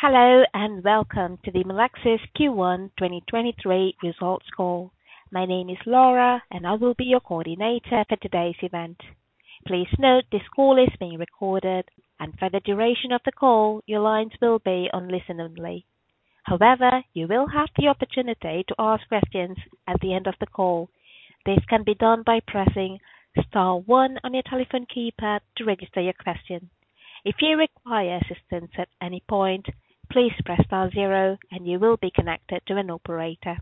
Hello, and welcome to the Melexis Q1 2023 results call. My name is Laura, and I will be your coordinator for today's event. Please note this call is being recorded, and for the duration of the call, your lines will be on listen only. However, you will have the opportunity to ask questions at the end of the call. This can be done by pressing star one on your telephone keypad to register your question. If you require assistance at any point, please press star zero and you will be connected to an operator.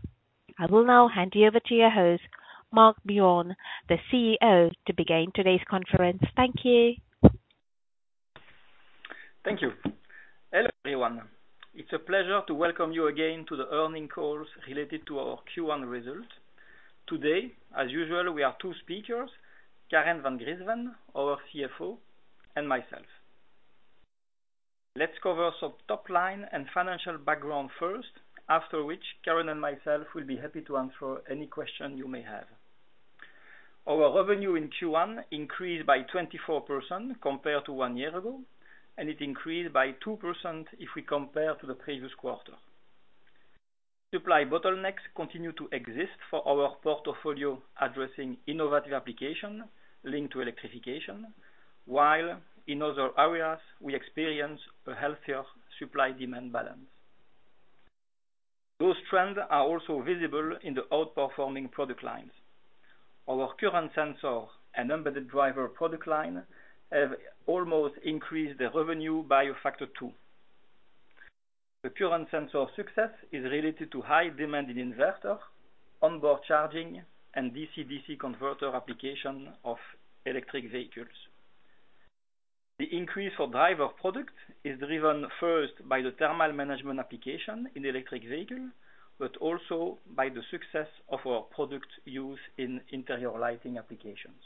I will now hand you over to your host, Marc Biron, the CEO, to begin today's conference. Thank you. Thank you. Hello, everyone. It's a pleasure to welcome you again to the earnings calls related to our Q1 results. Today, as usual, we are two speakers, Karen van Griensven, our CFO, and myself. Let's cover some top line and financial background first, after which Karen and myself will be happy to answer any question you may have. Our revenue in Q1 increased by 24% compared to one year ago, and it increased by 2% if we compare to the previous quarter. Supply bottlenecks continue to exist for our portfolio addressing innovative application linked to electrification, while in other areas we experience a healthier supply-demand balance. Those trends are also visible in the outperforming product lines. Our current sensor and embedded driver product line have almost increased the revenue by a factor two. The current sensor success is related to high demand in inverter, onboard charging, and DC-DC converter application of electric vehicles. The increase for driver product is driven first by the thermal management application in electric vehicle, but also by the success of our product use in interior lighting applications.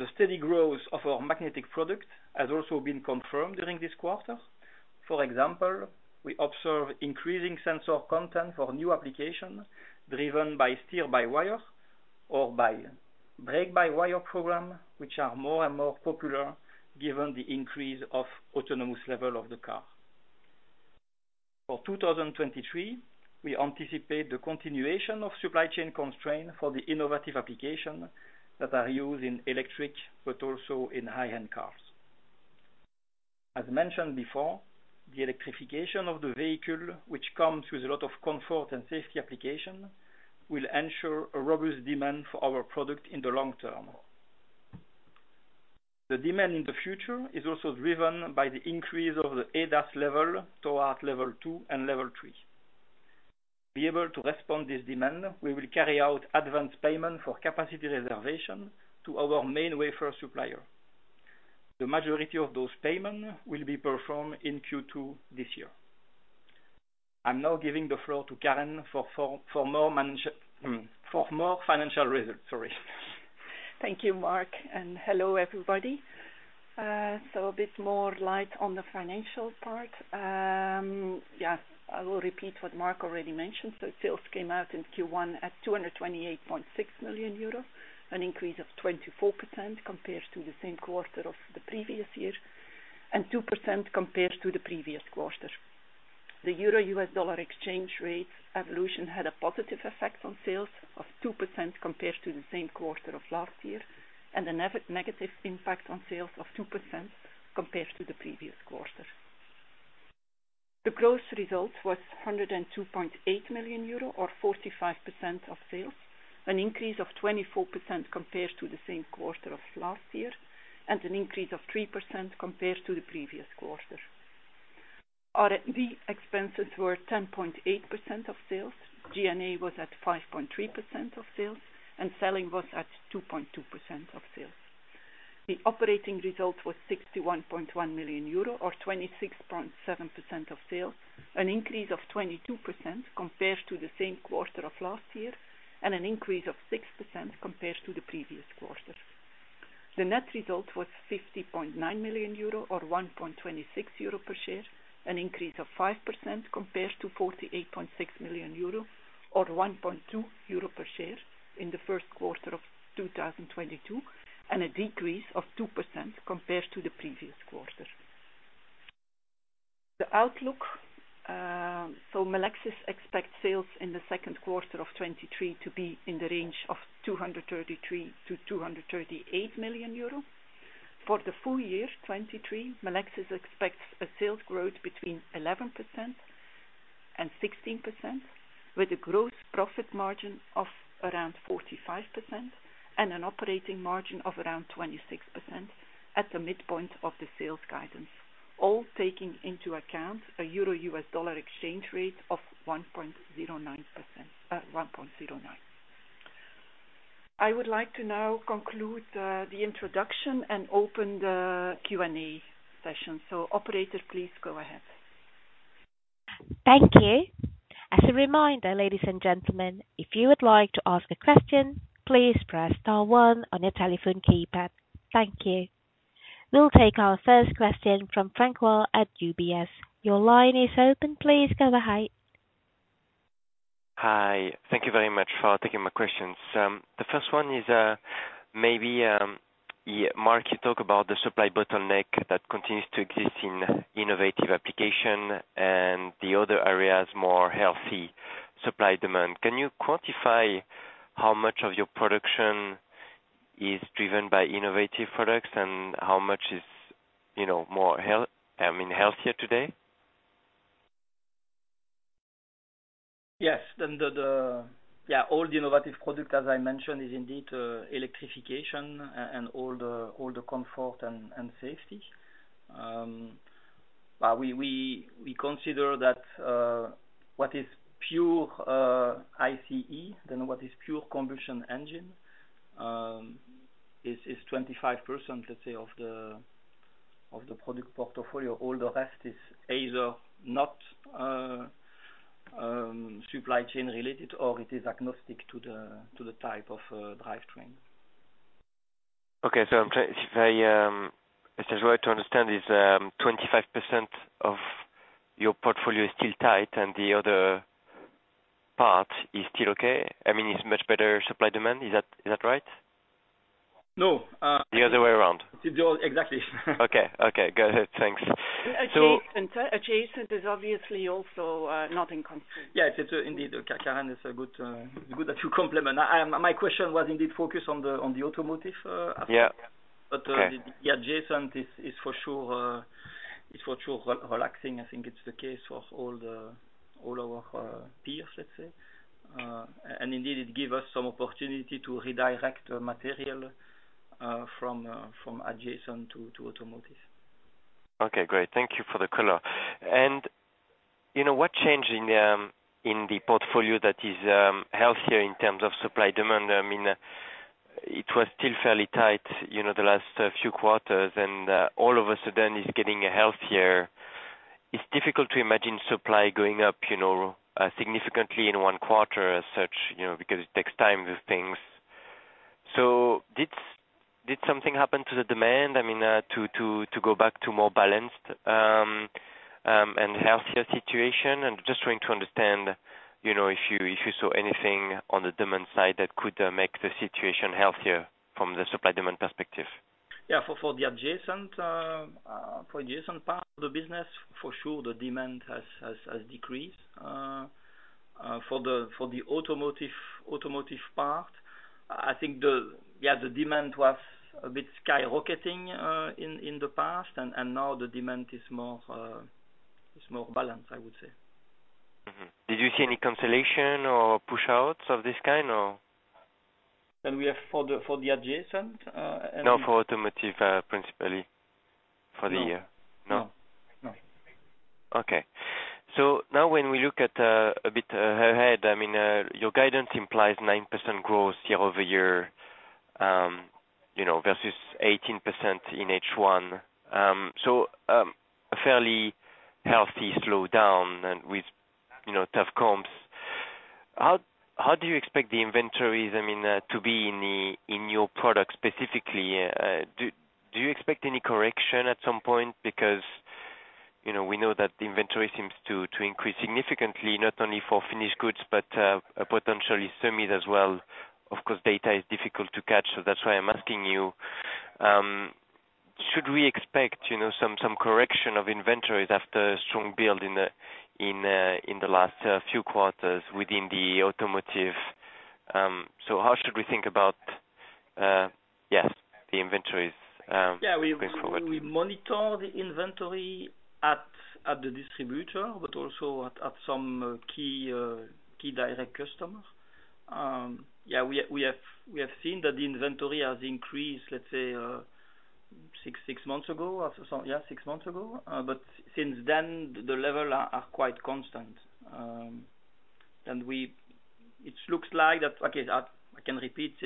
The steady growth of our magnetic product has also been confirmed during this quarter. For example, we observe increasing sensor content for new application driven by steer-by-wire or by brake-by-wire program, which are more and more popular given the increase of autonomous level of the car. For 2023, we anticipate the continuation of supply chain constraint for the innovative application that are used in electric, but also in high-end cars. As mentioned before, the electrification of the vehicle, which comes with a lot of comfort and safety application, will ensure a robust demand for our product in the long term. The demand in the future is also driven by the increase of the ADAS level toward level 2 and level 3. Be able to respond this demand, we will carry out advanced payment for capacity reservation to our main wafer supplier. The majority of those payments will be performed in Q2 this year. I'm now giving the floor to Karen for more financial results. Sorry. Thank you, Marc. Hello, everybody. A bit more light on the financial part. Yeah, I will repeat what Marc already mentioned. Sales came out in Q1 at 228.6 million euros, an increase of 24% compared to the same quarter of the previous year, and 2% compared to the previous quarter. The euro-US dollar exchange rate evolution had a positive effect on sales of 2% compared to the same quarter of last year, and a negative impact on sales of 2% compared to the previous quarter. The gross result was 102.8 million euro or 45% of sales. An increase of 24% compared to the same quarter of last year, and an increase of 3% compared to the previous quarter. Our R&D expenses were 10.8% of sales. G&A was at 5.3% of sales, and selling was at 2.2% of sales. The operating result was 61.1 million euro or 26.7% of sales. Increase of 22% compared to the same quarter of last year, and an increase of 6% compared to the previous quarter. The net result was 50.9 million euro or 1.26 euro per share. Increase of 5% compared to 48.6 million euro or 1.2 euro per share in the first quarter of 2022, and a decrease of 2% compared to the previous quarter. The outlook, Melexis expects sales in the second quarter of 2023 to be in the range of 233 million-238 million euro. For the full year 2023, Melexis expects a sales growth between 11% and 16%, with a growth profit margin of around 45% and an operating margin of around 26% at the midpoint of the sales guidance, all taking into account a euro US dollar exchange rate of 1.09. I would like to now conclude the introduction and open the Q&A session. Operator, please go ahead. Thank you. As a reminder, ladies and gentlemen, if you would like to ask a question, please press star one on your telephone keypad. Thank you. We'll take our first question from Francois at UBS. Your line is open. Please go ahead. Hi. Thank you very much for taking my questions. The first one is, maybe, yeah, Marc, you talk about the supply bottleneck that continues to exist in innovative application and the other areas more healthy supply demand. Can you quantify how much of your production is driven by innovative products and how much is, you know, more health, I mean healthier today? Yes. The, yeah, all the innovative product, as I mentioned, is indeed electrification and all the comfort and safety. We consider that what is pure ICE, then what is pure combustion engine, is 25%, let's say, of the product portfolio. All the rest is either not supply chain related or it is agnostic to the type of drive train. If it's right to understand is, 25% of your portfolio is still tight and the other part is still okay? I mean, it's much better supply demand, is that right? No. The other way around. Exactly. Okay. Okay. Got it. Thanks. Adjacent is obviously also, not in inaudible. Yeah, it is indeed. Karen is a good to complement. I, my question was indeed focused on the automotive aspect. Yeah. Okay. The adjacent is for sure re-relaxing. I think it's the case for all our peers, let's say. Indeed it give us some opportunity to redirect the material, from adjacent to automotive. Okay, great. Thank you for the color. You know, what changed in the portfolio that is healthier in terms of supply demand? I mean, it was still fairly tight, you know, the last few quarters and all of a sudden it's getting healthier. It's difficult to imagine supply going up, you know, significantly in one quarter as such, you know, because it takes time with things. Did something happen to the demand, I mean, to go back to more balanced and healthier situation? Just trying to understand, you know, if you, if you saw anything on the demand side that could make the situation healthier from the supply demand perspective. For the adjacent part of the business, for sure the demand has decreased. For the automotive part, I think the demand was a bit skyrocketing, in the past and now the demand is more balanced, I would say. Mm-hmm. Did you see any cancellation or push-outs of this kind or? We have for the adjacent. No, for automotive, principally for the year. No. No? No. Now when we look at a bit ahead, I mean, your guidance implies 9% growth year-over-year, you know, versus 18% in H1. So, a fairly healthy slowdown and with, you know, tough comps. How do you expect the inventories, I mean, to be in your product specifically? Do you expect any correction at some point? Because, you know, we know that the inventory seems to increase significantly not only for finished goods but, potentially semis as well. Of course, data is difficult to catch, so that's why I'm asking you. Should we expect, you know, some correction of inventories after strong build in the last few quarters within the automotive? How should we think about, yes, the inventories? Yeah. going forward. We monitor the inventory at the distributor, but also at some key direct customers. Yeah, we have seen that the inventory has increased, let's say, six months ago or so, six months ago. Since then the level are quite constant. I can repeat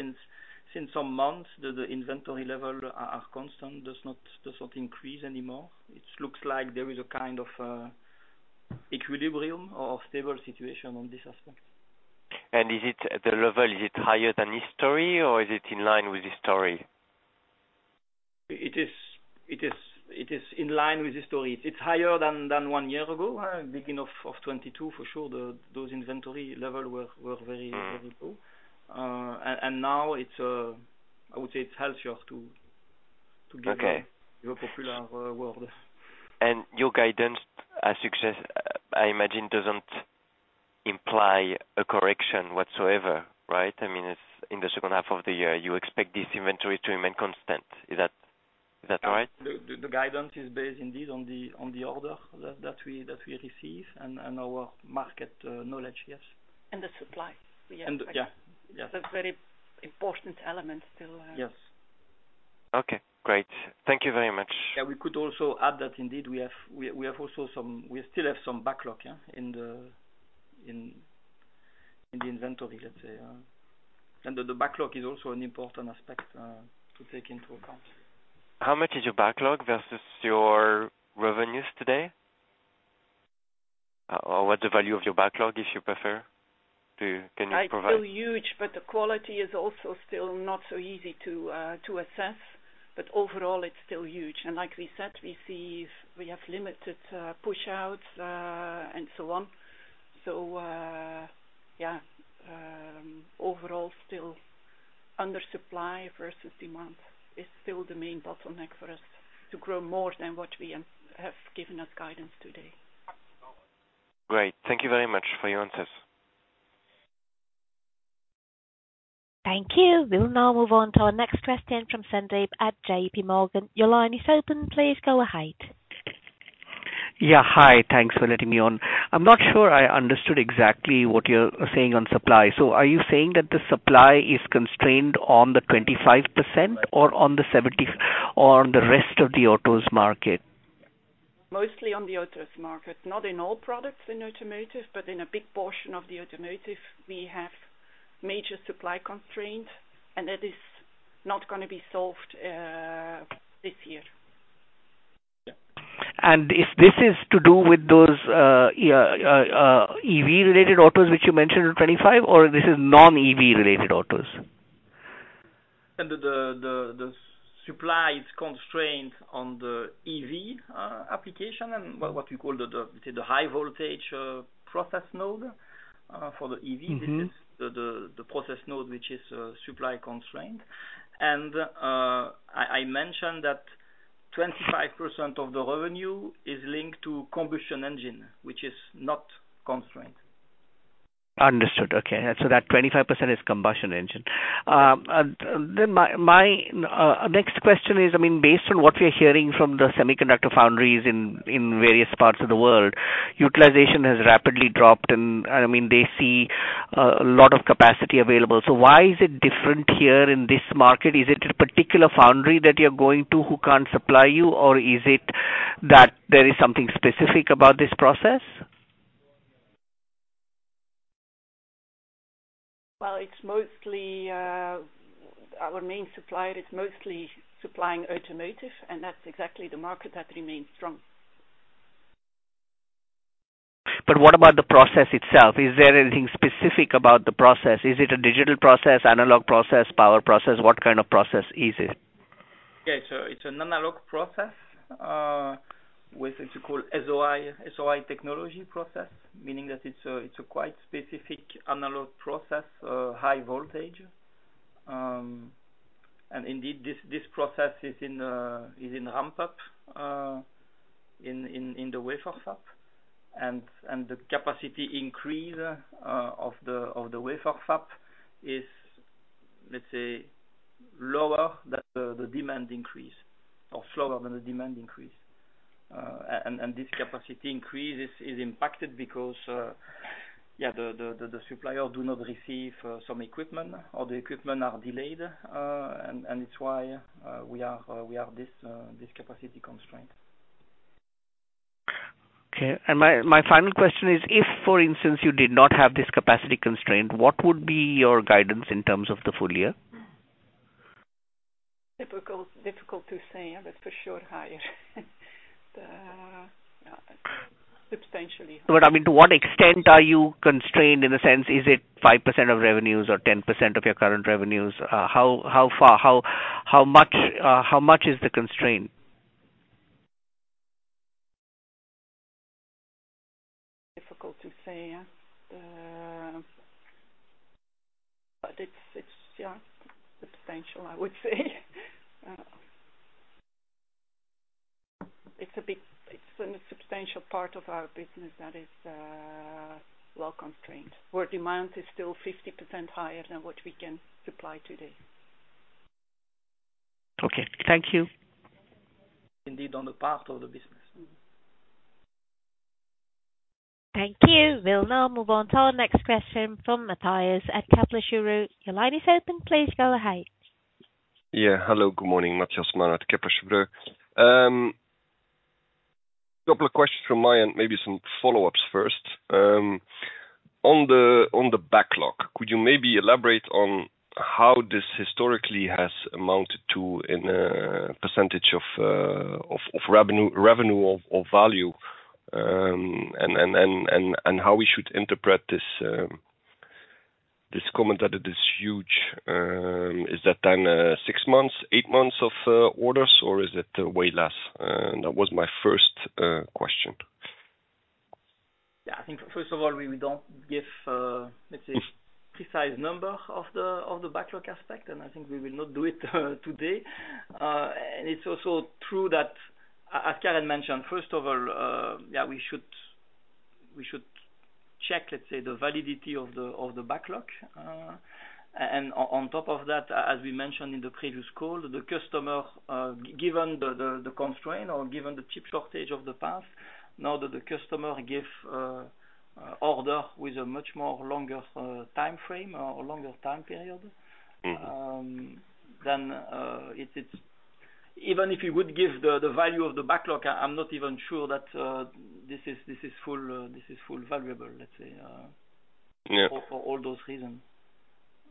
since some months the inventory level are constant, does not increase anymore. It looks like there is a kind of equilibrium or stable situation on this aspect. Is it at the level, is it higher than history or is it in line with history? It is in line with history. It's higher than one year ago. Beginning of 2022, for sure, those inventory level were very low. Now it's, I would say it's healthier to be. Okay. Your popular, word. Your guidance, as success, I imagine doesn't imply a correction whatsoever, right? I mean, it's in the second half of the year, you expect this inventory to remain constant. Is that right? The guidance is based indeed on the order that we receive and our market knowledge, yes. the supply. Yeah. Yeah. That's very important element still. Yes. Okay, great. Thank you very much. Yeah, we could also add that indeed We still have some backlog in the inventory let's say. The backlog is also an important aspect to take into account. How much is your backlog versus your revenues today? What the value of your backlog, if you prefer? Can you provide? Quite so huge, but the quality is also still not so easy to assess. Overall, it's still huge. Like we said, we have limited push-outs and so on. Overall, still undersupply versus demand is still the main bottleneck for us to grow more than what we have given as guidance today. Great. Thank you very much for your answers. Thank you. We'll now move on to our next question from Sandeep at JP Morgan. Your line is open. Please go ahead. Yeah. Hi. Thanks for letting me on. I'm not sure I understood exactly what you're saying on supply. Are you saying that the supply is constrained on the 25% or on the rest of the autos market? Mostly on the autos market. Not in all products in automotive, but in a big portion of the automotive, we have major supply constraints. That is not gonna be solved this year. If this is to do with those EV-related autos which you mentioned in 2025, or this is non-EV related autos? The supply is constrained on the EV application and what you call the high voltage process node for the EV. Mm-hmm. This is the process node which is supply constrained. I mentioned that 25% of the revenue is linked to combustion engine, which is not constrained. Understood. Okay. That 25% is combustion engine. My next question is, I mean, based on what we're hearing from the semiconductor foundries in various parts of the world, utilization has rapidly dropped, and, I mean, they see a lot of capacity available. Why is it different here in this market? Is it a particular foundry that you're going to who can't supply you? Is it that there is something specific about this process? Well, it's mostly, our main supplier is mostly supplying automotive. That's exactly the market that remains strong. What about the process itself? Is there anything specific about the process? Is it a digital process, analog process, power process? What kind of process is it? It's an analog process with what you call SOI technology process, meaning that it's a quite specific analog process, high voltage. Indeed, this process is in ramp up in the wafer fab. The capacity increase of the wafer fab is, let's say, lower than the demand increase or slower than the demand increase. This capacity increase is impacted because the supplier do not receive some equipment, or the equipment are delayed, it's why we are this capacity constraint. Okay. My final question is if, for instance, you did not have this capacity constraint, what would be your guidance in terms of the full year? Difficult to say. That's for sure higher. Yeah, substantially. I mean, to what extent are you constrained in a sense? Is it 5% of revenues or 10% of your current revenues? How much is the constraint? Difficult to say. It's, yeah, substantial, I would say. It's a substantial part of our business that is well constrained, where demand is still 50% higher than what we can supply today. Okay. Thank you. Indeed, on the part of the business. Thank you. We'll now move on to our next question from Mathias at Kepler Cheuvreux. Your line is open. Please go ahead. Hello. Good morning. Ruben Devos at Kepler Cheuvreux. Couple of questions from my end, maybe some follow-ups first. On the backlog, could you maybe elaborate on how this historically has amounted to in a percentage of revenue or value? How we should interpret this comment that it is huge. Is that then six months, eight months of orders, or is it way less? That was my first question. Yeah, I think first of all, we don't give, let's say precise number of the backlog aspect, and I think we will not do it today. It's also true that as Karen mentioned, first of all, yeah, we should check, let's say, the validity of the backlog. On top of that, as we mentioned in the previous call, the customer, given the constraint or given the chip shortage of the past, now that the customer give order with a much more longer timeframe or longer time period. Mm-hmm. it's... Even if you would give the value of the backlog, I'm not even sure that this is full valuable, let's say. Yeah. for all those reasons.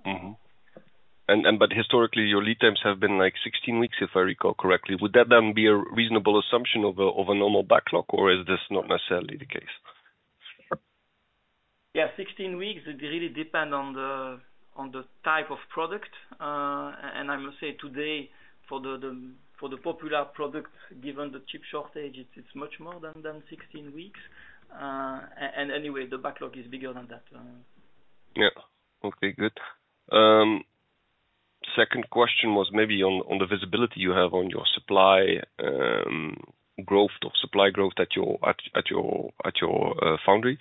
Mm-hmm. Historically, your lead times have been like 16 weeks, if I recall correctly. Would that then be a reasonable assumption of a normal backlog, or is this not necessarily the case? Yeah, 16 weeks, it really depend on the type of product. I must say today, for the popular product, given the chip shortage, it's much more than 16 weeks. Anyway, the backlog is bigger than that, so. Yeah. Okay, good. second question was maybe on the visibility you have on your supply growth or supply growth at your foundry.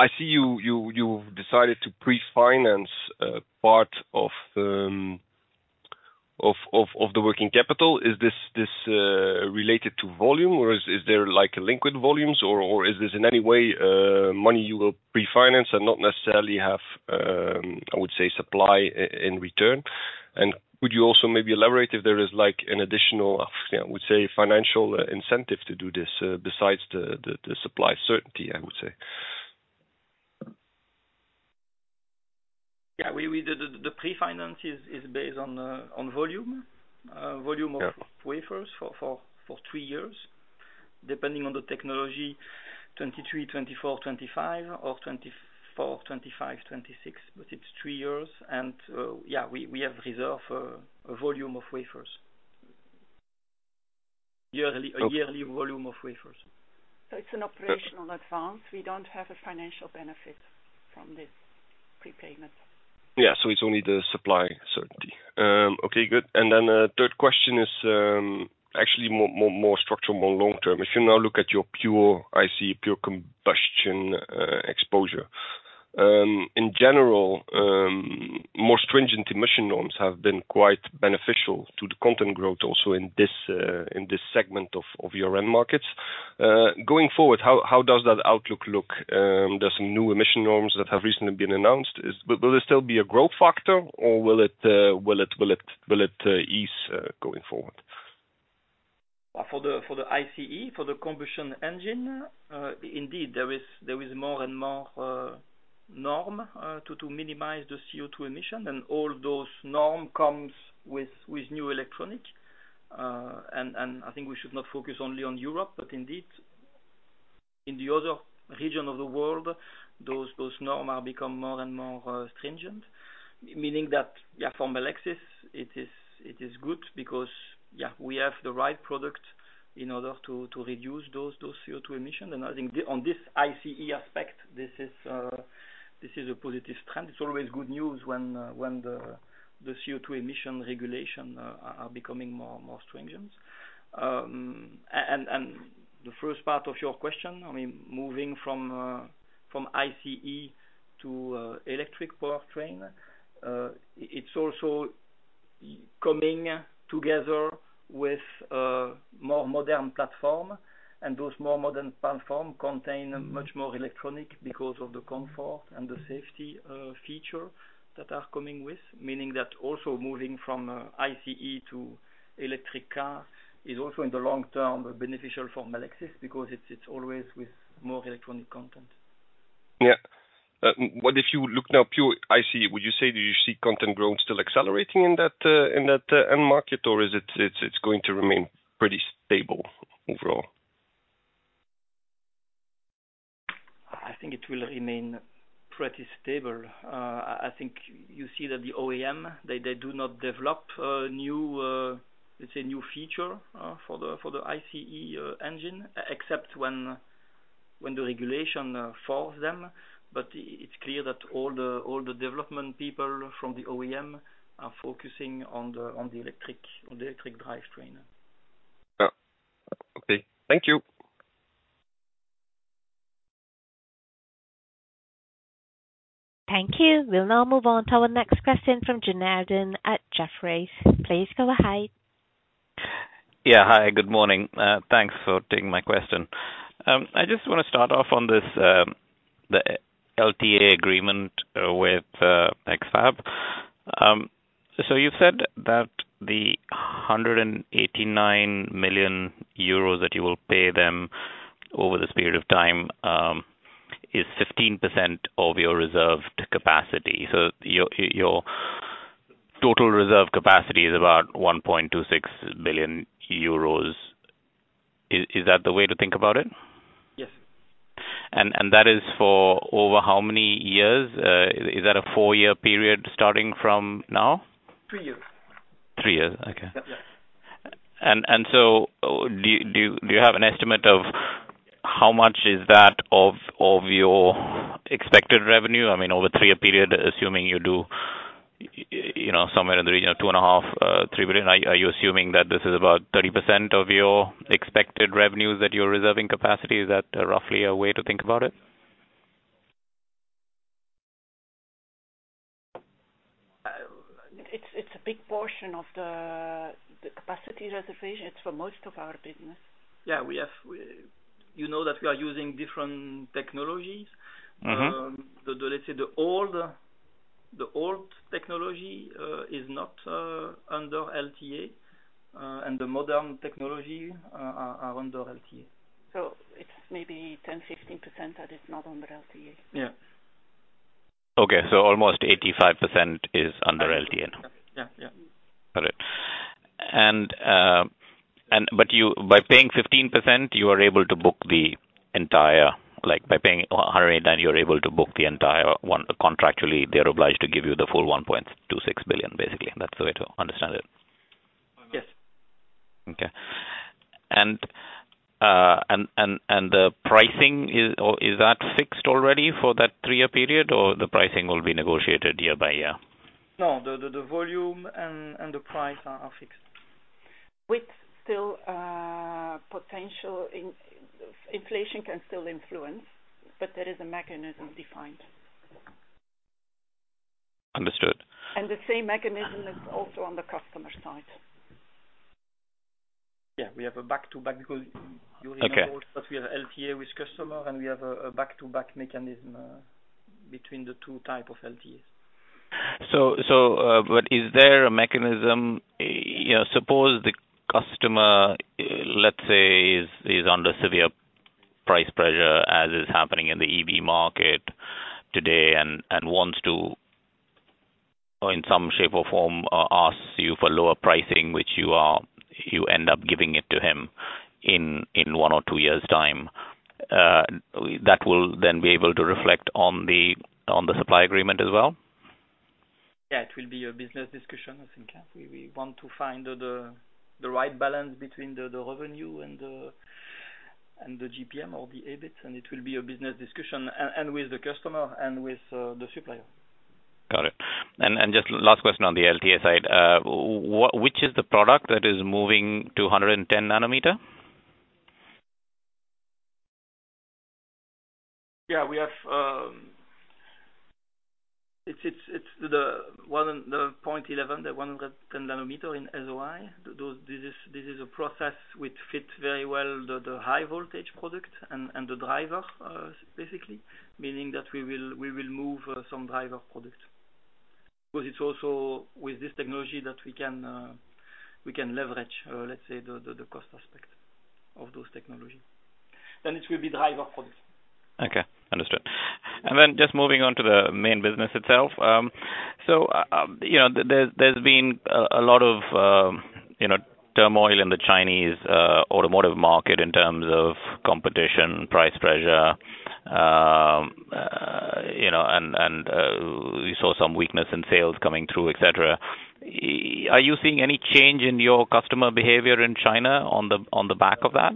I see you decided to pre-finance part of the working capital. Is this related to volume or is there like liquid volumes or is this in any way money you will pre-finance and not necessarily have I would say supply in return? Would you also maybe elaborate if there is like an additional we say financial incentive to do this besides the supply certainty, I would say. Yeah. We did the pre-finance is based on volume. Yeah. wafers for three years, depending on the technology, 2023, 2024, 2025 or 2024, 2025, 2026. It's three years and, yeah, we have reserved for a volume of wafers. Yearly- Okay. A yearly volume of wafers. It's an operational advance. We don't have a financial benefit from this prepayment. Yeah. It's only the supply certainty. Okay, good. Third question is actually more structural, more long-term. If you now look at your pure ICE, pure combustion exposure, in general, more stringent emission norms have been quite beneficial to the content growth also in this segment of your end markets. Going forward, how does that outlook look? There's some new emission norms that have recently been announced. Will this still be a growth factor or will it ease going forward? For the ICE, for the combustion engine, indeed there is more and more norm to minimize the CO2 emission. All those norm comes with new electronic. I think we should not focus only on Europe, but indeed in the other region of the world, those norm are become more and more stringent. Meaning that yeah, for Melexis it is good because, yeah, we have the right product in order to reduce those CO2 emission. I think on this ICE aspect, this is a positive trend. It's always good news when the CO2 emission regulation are becoming more and more stringent. The first part of your question, I mean, moving from ICE to electric powertrain, it's also coming together with a more modern platform, and those more modern platform contain much more electronic because of the comfort and the safety feature that are coming with. Meaning that also moving from ICE to electric cars is also in the long term beneficial for Melexis because it's always with more electronic content. Yeah. What if you look now pure ICE, would you say that you see content growth still accelerating in that, in that, end market or it's going to remain pretty stable overall? I think it will remain pretty stable. I think you see that the OEM, they do not develop new, let's say new feature, for the ICE engine except when the regulation force them. It's clear that all the development people from the OEM are focusing on the electric drivetrain. Oh, okay. Thank you. Thank you. We'll now move on to our next question from Janardan at Jefferies. Please go ahead. Yeah. Hi, good morning. Thanks for taking my question. I just wanna start off on this, the LTA agreement with X-FAB. You said that the 189 million euros that you will pay them over this period of time, is 15% of your reserved capacity. Your total reserve capacity is about 1.26 billion euros. Is that the way to think about it? Yes. That is for over how many years? Is that a 4-year period starting from now? Three years. Three years. Okay. Yeah. Do you have an estimate of how much is that of your expected revenue? I mean, over a 3-year period, assuming you do, you know, somewhere in the region of 2.5 billion-3 billion. Are you assuming that this is about 30% of your expected revenues that you're reserving capacity? Is that roughly a way to think about it? It's a big portion of the capacity reservation. It's for most of our business. Yeah. You know that we are using different technologies. Mm-hmm. The, let's say, the old technology is not under LTA, and the modern technology are under LTA. it's maybe 10%-15% that is not under LTA. Yeah. Okay, almost 85% is under LTA now? Yeah. Yeah. Got it. You, by paying 15%, you are able to book the entire. Like by paying 108, then you're able to book the entire one. Contractually, they're obliged to give you the full 1.26 billion, basically. That's the way to understand it. Yes. Okay. The pricing is, or is that fixed already for that three-year period, or the pricing will be negotiated year by year? No, the volume and the price are fixed. With still, potential inflation can still influence, but there is a mechanism defined. Understood. The same mechanism is also on the customer side. Yeah. We have a back-to-back because you remember... Okay. that we have LTA with customer, and we have a back-to-back mechanism between the two type of LTAs. Is there a mechanism, you know, suppose the customer, let's say, is under severe price pressure, as is happening in the EV market today, and wants to or in some shape or form, asks you for lower pricing, which you end up giving it to him in one or two years' time, that will then be able to reflect on the supply agreement as well? Yeah, it will be a business discussion, I think. Yeah. We want to find the right balance between the revenue and the GPM or the EBIT, and it will be a business discussion and with the customer and with the supplier. Got it. Just last question on the LTA side. Which is the product that is moving to 110 nanometer? It's the one, the 0.11, the 110 nm in SOI. This is a process which fits very well the high voltage product and the driver, basically, meaning that we will move some driver products. Because it's also with this technology that we can leverage, let's say the cost aspect of those technology. It will be driver products. Okay. Understood. Just moving on to the main business itself. You know, there's been a lot of, you know, turmoil in the Chinese automotive market in terms of competition, price pressure, you know, and we saw some weakness in sales coming through, et cetera. Are you seeing any change in your customer behavior in China on the back of that?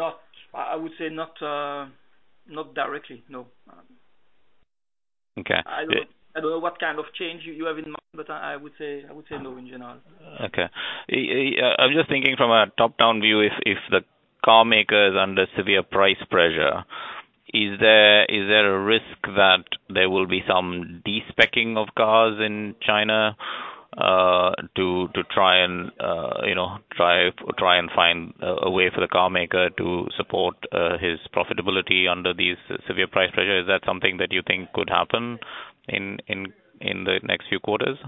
Not, I would say not directly, no. Okay. I don't know what kind of change you have in mind, but I would say no, in general. Okay. I'm just thinking from a top-down view, if the carmaker is under severe price pressure, is there a risk that there will be some de-speccing of cars in China, to try and, you know, drive or try and find a way for the carmaker to support his profitability under these severe price pressures? Is that something that you think could happen in the next few quarters?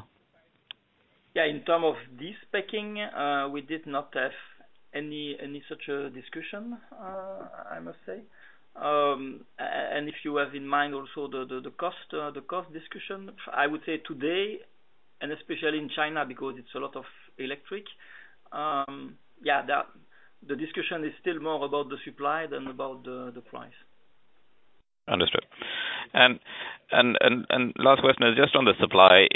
Yeah. In term of de-speccing, we did not have any such a discussion, I must say. If you have in mind also the cost discussion, I would say today, and especially in China, because it's a lot of electric, the discussion is still more about the supply than about the price. Understood. Last question is just on the supply.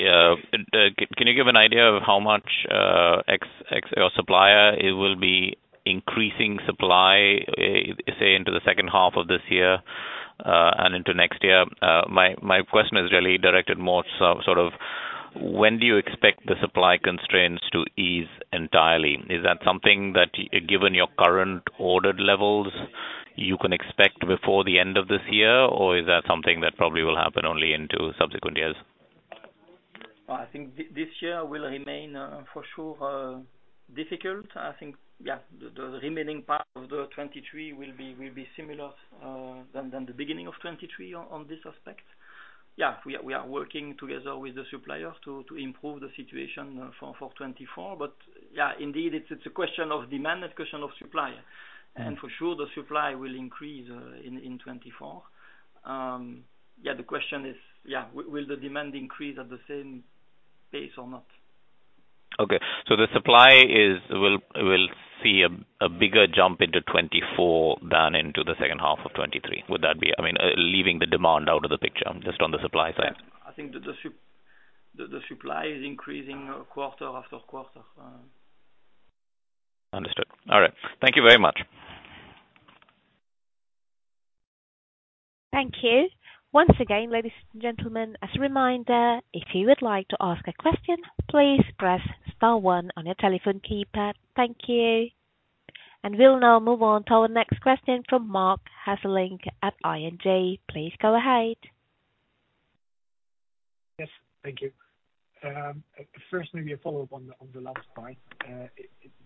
Can you give an idea of how much your supplier will be increasing supply, say into the second half of this year, and into next year? My question is really directed more sort of when do you expect the supply constraints to ease entirely? Is that something that given your current ordered levels you can expect before the end of this year, or is that something that probably will happen only into subsequent years? I think this year will remain for sure difficult. I think, yeah, the remaining part of the 2023 will be similar than the beginning of 2023 on this aspect. Yeah. We are working together with the supplier to improve the situation for 2024. Yeah, indeed it's a question of demand, a question of supply. For sure the supply will increase in 2024. Yeah, the question is, will the demand increase at the same pace or not? Okay. The supply will see a bigger jump into 2024 than into the second half of 2023. Would that be? I mean, leaving the demand out of the picture, just on the supply side. I think the supply is increasing quarter after quarter. Understood. All right. Thank you very much. Thank you. Once again, ladies and gentlemen, as a reminder, if you would like to ask a question, please press star one on your telephone keypad. Thank you. We'll now move on to our next question from Marc Hesselink at ING. Please go ahead. Yes. Thank you. firstly, a follow-up on the last part,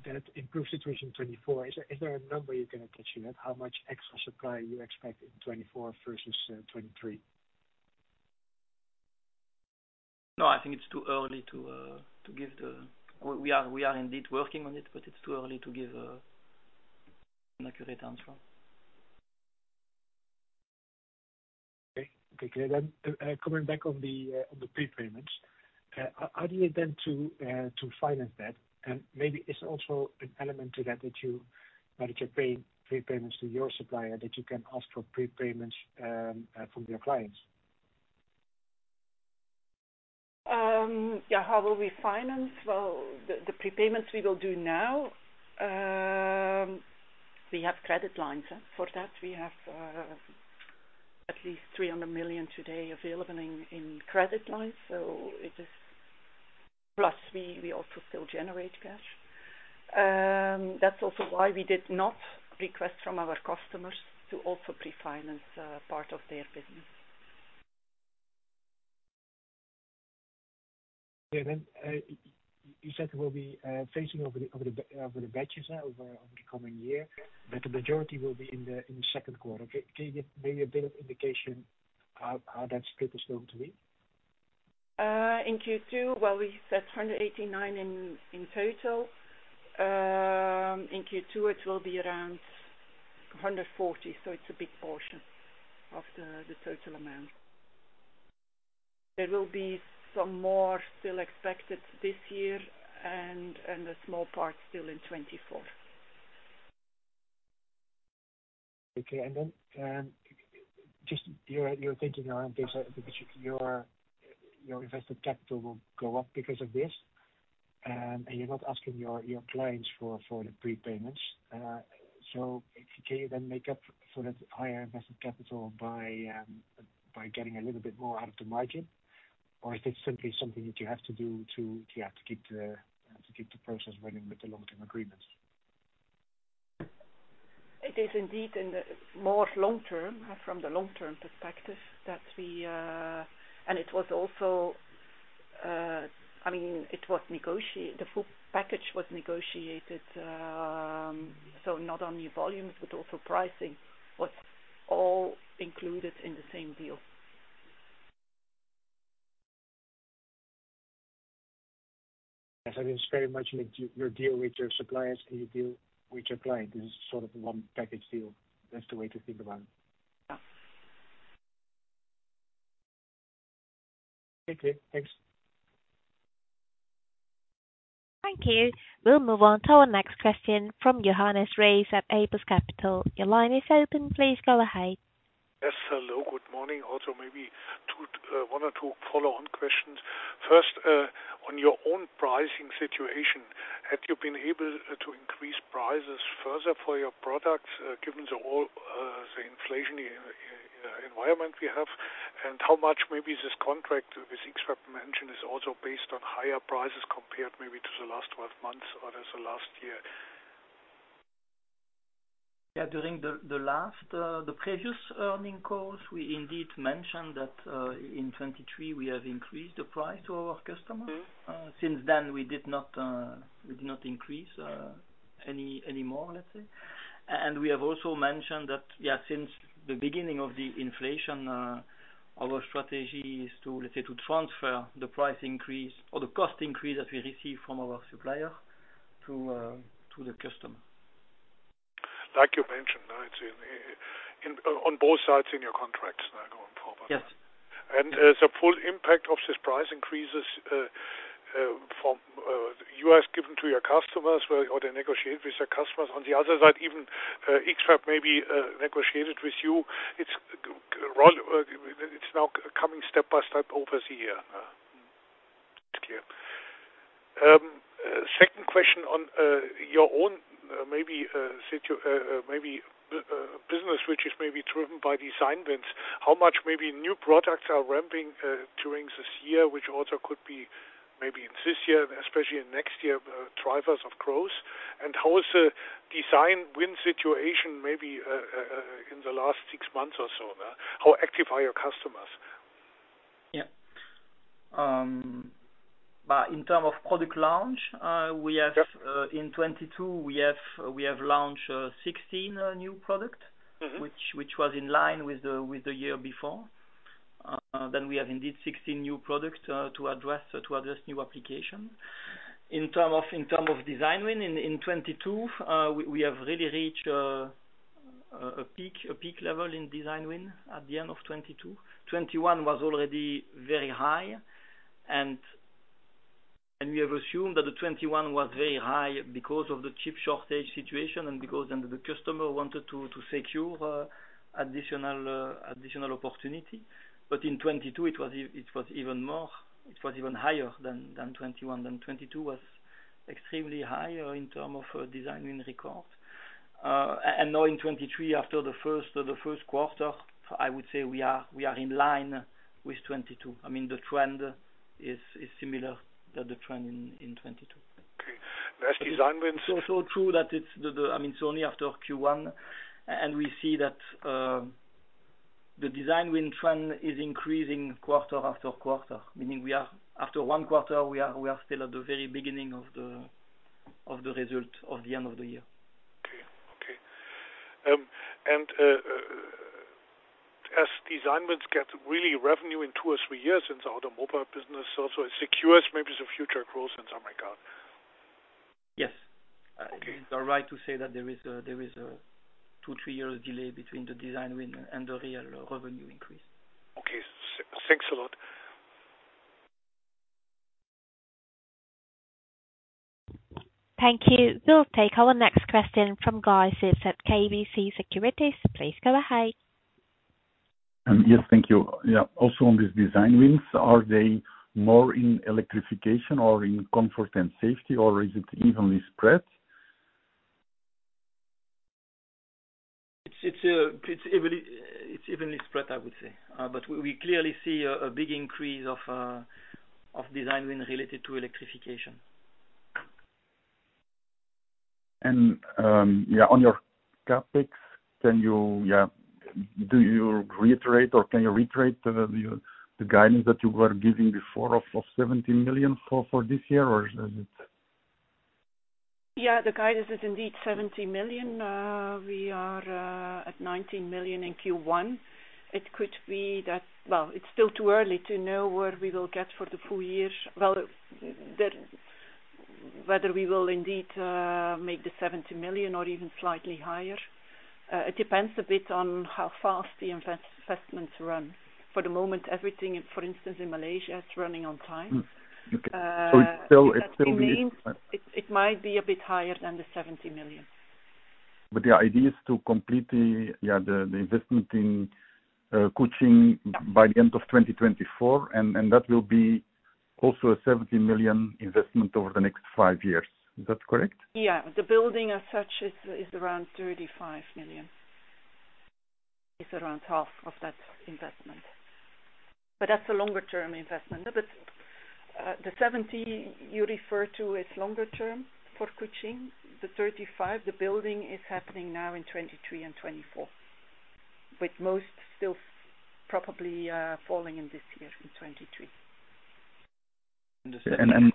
that improved situation 2024. Is there a number you can attach to that? How much extra supply you expect in 2024 versus 2023? No, I think it's too early. We are indeed working on it, but it's too early to give an accurate answer. Okay. Okay, clear. Coming back on the on the prepayments, how do you then to finance that? Maybe it's also an element to that you, now that you're paying prepayments to your supplier, that you can ask for prepayments from your clients. Yeah, how will we finance? Well, the prepayments we will do now, we have credit lines for that. We have at least 300 million today available in credit lines. It is... Plus, we also still generate cash. That's also why we did not request from our customers to also pre-finance part of their business. Yeah. You said we'll be phasing over the batches over the coming year. Yeah. The majority will be in the second quarter. Can you give maybe a bit of indication how that split is going to be? In Q2, well, we said 189 in total. In Q2 it will be around 140, so it's a big portion of the total amount. There will be some more still expected this year and a small part still in 2024. Okay. Then, you're taking on this, because your invested capital will go up because of this, and you're not asking your clients for the prepayments. Can you then make up for that higher invested capital by getting a little bit more out of the margin? Is this simply something that you have to do to, yeah, to keep the process running with the long-term agreements? It is indeed in the more long-term, from the long-term perspective that we. It was also, I mean, the full package was negotiated, so not only volumes, but also pricing was all included in the same deal. Yes, I think it's very much like your deal with your suppliers and your deal with your client is sort of one package deal. That's the way to think about it. Yeah. Okay. Thanks. Thank you. We'll move on to our next question from Johannes Ries at Apus Capital. Your line is open. Please go ahead. Yes. Hello, good morning. Also, maybe two, one or two follow-on questions. First, on your own pricing situation, have you been able to increase prices further for your products, given the inflation environment we have? How much maybe this contract with X-FAB mentioned is also based on higher prices compared maybe to the last 12 months or the last year? Yeah, during the last, the previous earnings calls, we indeed mentioned that, in 2023 we have increased the price to our customers. Mm-hmm. Since then, we did not, we did not increase anymore, let's say. We have also mentioned that, since the beginning of the inflation, our strategy is to, let's say, to transfer the price increase or the cost increase that we receive from our supplier to the customer. Like you mentioned, right, in on both sides in your contracts now going forward. Yes. The full impact of these price increases from you has given to your customers, well, or they negotiate with their customers on the other side, even X-FAB maybe negotiated with you, well, it's now coming step by step over the year. It's clear. Second question on your own maybe business which is maybe driven by design wins, how much maybe new products are ramping during this year, which also could be maybe in this year, especially in next year, drivers of growth? How is the design win situation maybe in the last six months or so? How active are your customers? Yeah. In term of product launch. Yep. In 2022, we have launched 16 new product. Mm-hmm. Which was in line with the year before. We have indeed 16 new products to address new application. In term of design win in 2022, we have really reached a peak level in design win at the end of 2022. 2021 was already very high and we have assumed that the 2021 was very high because of the chip shortage situation and because then the customer wanted to secure additional opportunity. In 2022, it was even more, it was even higher than 2021. 2022 was extremely higher in term of design win record. Now in 2023, after the first quarter, I would say we are in line with 2022. I mean the trend is similar than the trend in 2022. Okay. That's design wins- True that it's the. I mean, it's only after Q1, and we see that the design win trend is increasing quarter after quarter, meaning we are. After 1 quarter, we are still at the very beginning of the result of the end of the year. As design wins get really revenue in 2 or 3 years since the automobile business also secures maybe the future growth in some regard. Yes. Okay. You are right to say that there is 2-3 years delay between the design win and the real revenue increase. Okay. Thanks a lot. Thank you. We'll take our next question from Guy Sips at KBC Securities. Please go ahead. Yes, thank you. On this design wins, are they more in electrification or in comfort and safety, or is it evenly spread? It's evenly spread, I would say. We clearly see a big increase of design win related to electrification. On your CapEx, can you reiterate the guidance that you were giving before of 70 million for this year? Or is it... Yeah, the guidance is indeed 70 million. We are at 19 million in Q1. Well, it's still too early to know where we will get for the full year. Well, whether we will indeed make the 70 million or even slightly higher. It depends a bit on how fast the investments run. For the moment everything, for instance, in Malaysia, is running on time. Okay. It's still. if that remains, it might be a bit higher than the 70 million. The idea is to complete the, yeah, the investment in Kuching by the end of 2024, and that will be also a 70 million investment over the next five years. Is that correct? Yeah. The building as such is around 35 million. It's around half of that investment. That's a longer term investment. The 70 million you refer to is longer term for Kuching. The 35 million, the building is happening now in 2023 and 2024, with most still probably falling in this year, in 2023. And,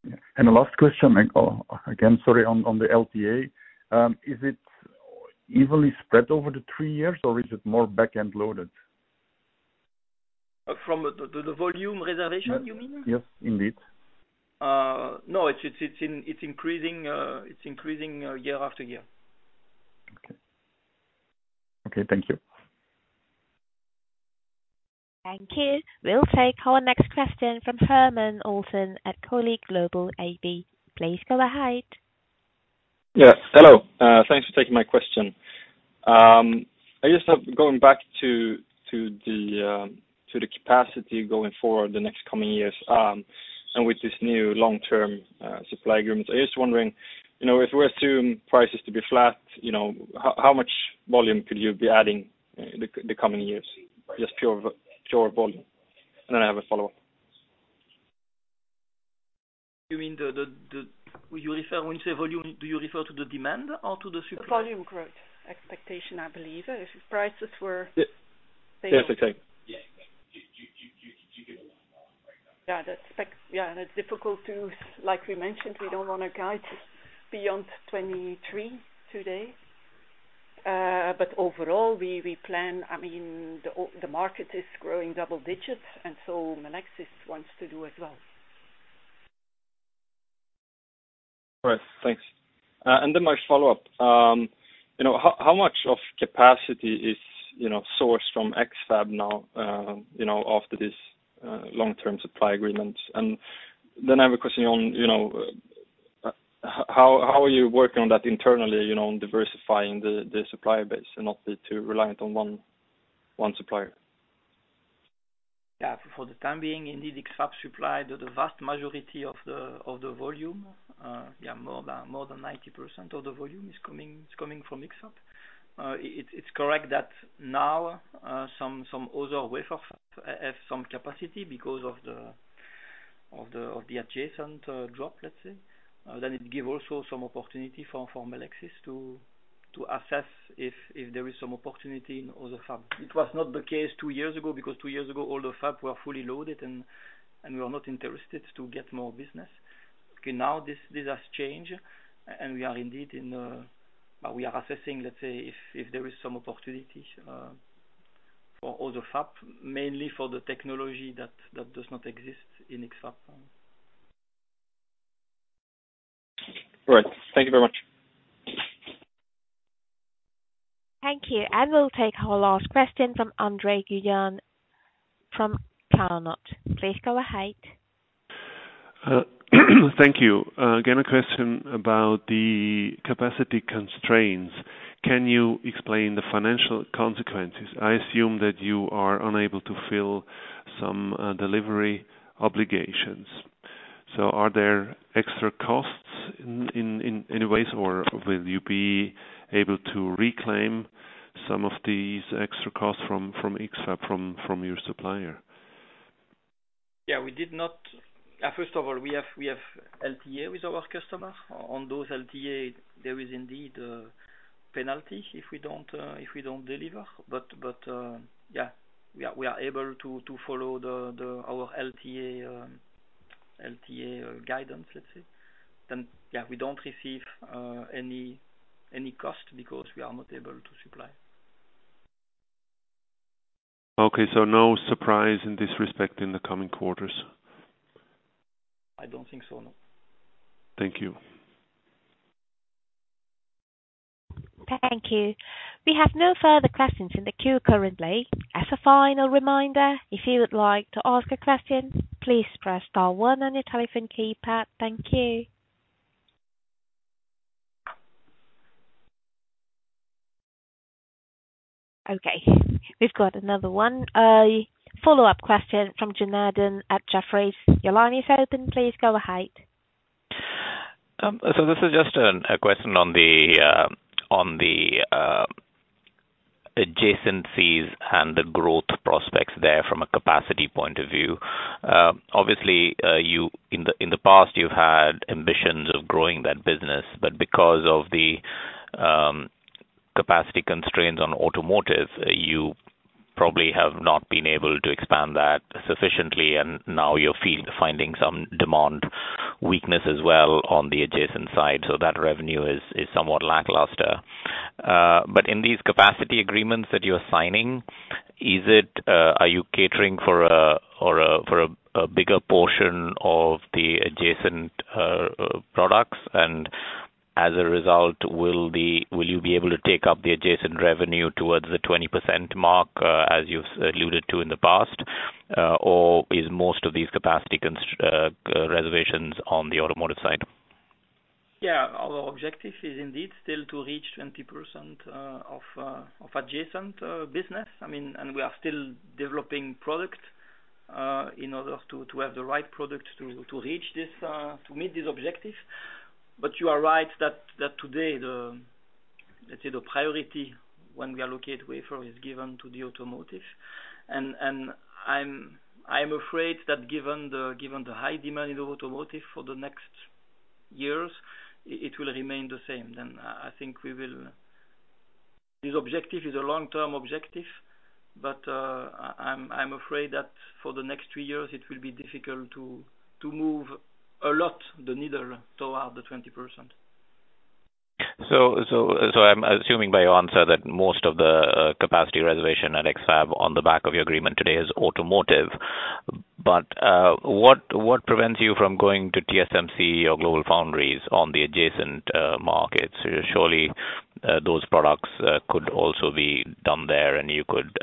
and, and- In the CapEx of 2022. Yeah. The last question again, sorry, on the LTA, is it evenly spread over the three years or is it more back-end loaded? From the volume reservation, you mean? Yes. Yes, indeed. No, it's increasing year after year. Okay. Okay, thank you. Thank you. We'll take our next question from Hjalmar Ahlberg at Colleague Global AB. Please go ahead. Yeah. Hello. Thanks for taking my question. I just have going back to the capacity going forward the next coming years, and with this new long-term supply agreements, I was wondering, you know, if we assume prices to be flat, you know, how much volume could you be adding in the coming years? Just pure volume. I have a follow-up. You mean the when you say volume, do you refer to the demand or to the supply? Volume growth expectation, I believe. If prices were- Yeah. Yes, exactly. Yeah, that's fact. Like we mentioned, we don't want to guide beyond 23 today. Overall, we plan, I mean the market is growing double digits, Melexis wants to do as well. All right. Thanks. My follow-up. You know, how much of capacity is, you know, sourced from X-FAB now, you know, after this, long-term supply agreements? I have a question on, you know, how are you working on that internally, you know, on diversifying the supplier base and not be too reliant on one supplier? Yeah. For the time being, indeed, X-Fab supply the vast majority of the volume. Yeah, more than 90% of the volume is coming from X-Fab. It's correct that now some other wafer fab have some capacity because of the adjacent drop, let's say. It give also some opportunity for Melexis to assess if there is some opportunity in other fab. It was not the case two years ago because two years ago, all the fab were fully loaded, and we were not interested to get more business. Okay. Now, this has changed, and we are indeed in, well, we are assessing, let's say, if there is some opportunity for other fab, mainly for the technology that does not exist in X-Fab. All right. Thank you very much. Thank you. We'll take our last question from Adrien Guyon from Canard. Please go ahead. Thank you. Again, a question about the capacity constraints. Can you explain the financial consequences? I assume that you are unable to fill some delivery obligations. Are there extra costs in any ways, or will you be able to reclaim some of these extra costs from X-Fab, from your supplier? Yeah, we did not. First of all, we have LTA with our customer. On those LTA, there is indeed a penalty if we don't, if we don't deliver. Yeah, we are able to follow the our LTA guidance, let's say. Yeah, we don't receive any cost because we are not able to supply. Okay. No surprise in this respect in the coming quarters? I don't think so, no. Thank you. Thank you. We have no further questions in the queue currently. As a final reminder, if you would like to ask a question, please press star one on your telephone keypad. Thank you. Okay. We've got another one. A follow-up question from Janardan at Jefferies. Your line is open. Please go ahead. This is just a question on the adjacencies and the growth prospects there from a capacity point of view. Obviously, in the past, you've had ambitions of growing that business, but because of the capacity constraints on automotive, you probably have not been able to expand that sufficiently, and now you're finding some demand weakness as well on the adjacent side, so that revenue is somewhat lackluster. In these capacity agreements that you're signing, is it, are you catering for a bigger portion of the adjacent products? As a result, will you be able to take up the adjacent revenue towards the 20% mark, as you've alluded to in the past? Is most of these capacity reservations on the automotive side? Yeah. Our objective is indeed still to reach 20% of adjacent business. I mean, we are still developing product in order to have the right product to meet this objective. You are right that today the, let's say, the priority when we allocate wafer is given to the automotive. I'm afraid that given the high demand in the automotive for the next years, it will remain the same. This objective is a long-term objective, I'm afraid that for the next 3 years it will be difficult to move a lot the needle toward the 20%. I'm assuming by your answer that most of the capacity reservation at X-Fab on the back of your agreement today is automotive. What prevents you from going to TSMC or GlobalFoundries on the adjacent markets? Surely, those products could also be done there, and you could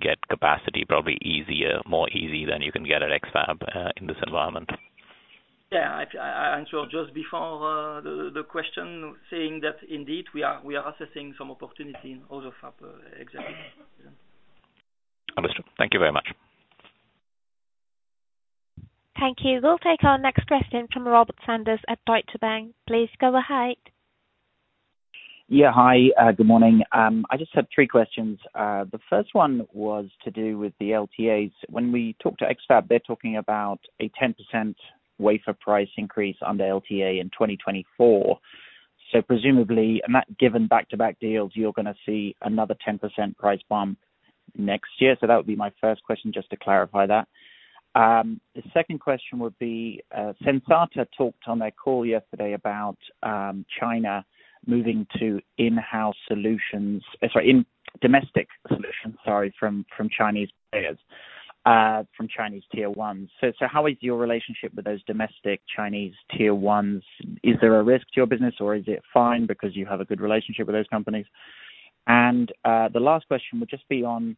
get capacity probably easier, more easy than you can get at X-Fab in this environment. Yeah. I answered just before the question saying that indeed we are assessing some opportunity in other X-Fab, yeah. Understood. Thank you very much. Thank you. We'll take our next question from Robert Sanders at Deutsche Bank. Please go ahead. Yeah. Hi, good morning. I just have three questions. The first one was to do with the LTAs. When we talked to X-Fab, they're talking about a 10% wafer price increase on the LTA in 2024. Presumably, and that given back-to-back deals, you're gonna see another 10% price bump next year. That would be my first question just to clarify that. The second question would be, Sensata talked on their call yesterday about China moving to in domestic solutions, sorry, from Chinese players, from Chinese tier ones. How is your relationship with those domestic Chinese tier ones? Is there a risk to your business, or is it fine because you have a good relationship with those companies? The last question would just be on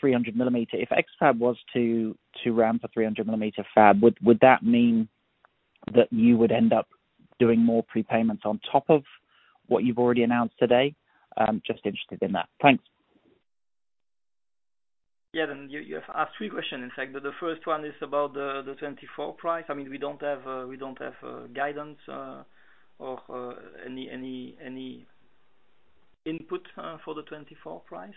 300 millimeter. If X-Fab was to ramp a 300 mm fab, would that mean that you would end up doing more prepayments on top of what you've already announced today? I'm just interested in that. Thanks. Yeah. you have asked three questions, in fact. The first one is about the 2024 price. I mean, we don't have, we don't have guidance or any input for the 2024 price.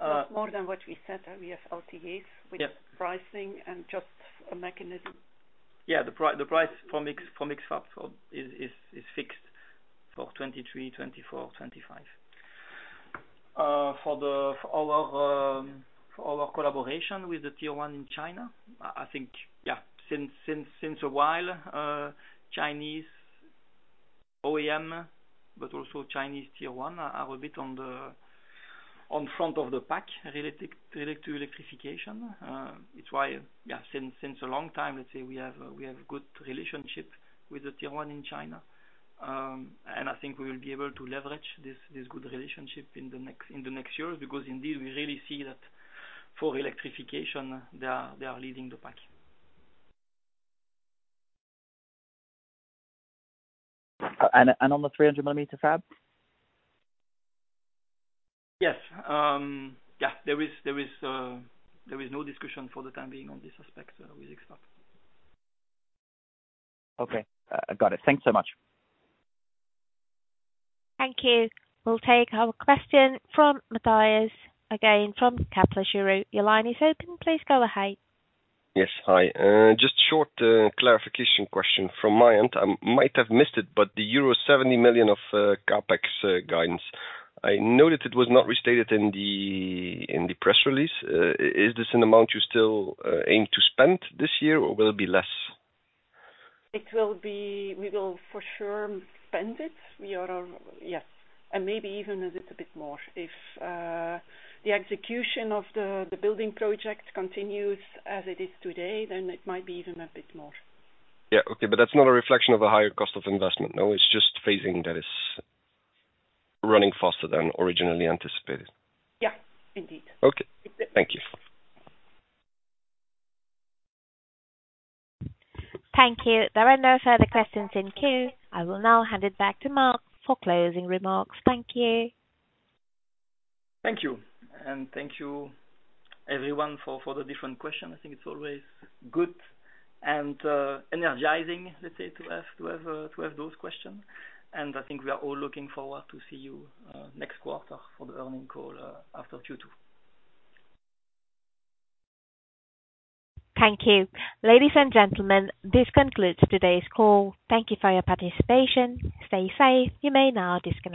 Not more than what we said, that we have LTAs- Yeah. -with pricing and just a mechanism. The price for X-Fab is fixed for 2023, 2024, 2025. For our collaboration with the tier one in China, I think, since a while, Chinese OEM, but also Chinese tier one are a bit on front of the pack to electrification. It's why, since a long time, let's say, we have good relationship with the tier one in China. And I think we will be able to leverage this good relationship in the next years, because indeed we really see that for electrification, they are leading the pack. On the 300 mm fab? Yes. Yeah. There is no discussion for the time being on this aspect, with X-Fab. Okay. Got it. Thanks so much. Thank you. We'll take our question from Mathias, again from Kepler Cheuvreux. Your line is open. Please go ahead. Yes. Hi. just short clarification question from my end. I might have missed it, but the euro 70 million of CapEx guidance, I know that it was not restated in the press release. Is this an amount you still aim to spend this year, or will it be less? It will be. We will for sure spend it. We are. Yes, maybe even a little bit more. If the execution of the building project continues as it is today, it might be even a bit more. Yeah. Okay. That's not a reflection of a higher cost of investment, no? It's just phasing that is running faster than originally anticipated. Yeah. Indeed. Okay. Thank you. Thank you. There are no further questions in queue. I will now hand it back to Marc for closing remarks. Thank you. Thank you. Thank you everyone for the different questions. I think it's always good and energizing, let's say, to have those questions. I think we are all looking forward to see you next quarter for the earnings call after Q2. Thank you. Ladies and gentlemen, this concludes today's call. Thank you for your participation. Stay safe. You may now disconnect.